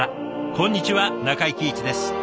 こんにちは中井貴一です。